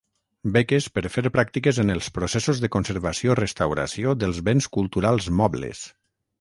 Beques per fer pràctiques en els processos de conservació-restauració dels béns culturals mobles.